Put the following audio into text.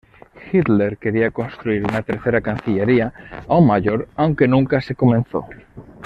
Hitler quería construir una tercera Cancillería, aún mayor, aunque nunca se comenzó.